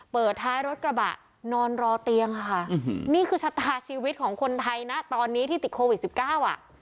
เปิดท้ายรถกระบะนอนรอเตียงค่ะนี่คือชะตาชีวิตของคนไทยนะตอนนี้ที่ติดโควิดสิบเก้าอ่ะ